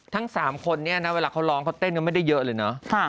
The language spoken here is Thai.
ทั้ง๓คนนี้นะเวลาเขาร้องเขาเต้นกันไม่ได้เยอะเลยเนอะ